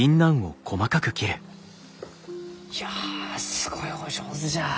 いやすごいお上手じゃ。